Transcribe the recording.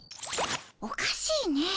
おかしいねえ。